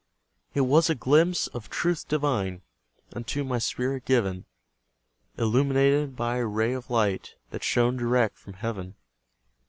It was a glimpse of truth divine Unto my spirit given, Illumined by a ray of light That shone direct from heaven.